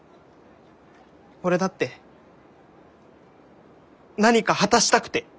俺だって何か果たしたくて！